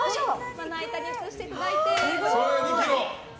まな板に移していただいて。